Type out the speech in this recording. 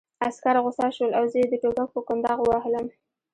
عسکر غوسه شول او زه یې د ټوپک په کونداغ ووهلم